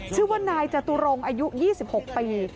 ชื่อว่านายจตุรงค์อายุยี่สิบหกปี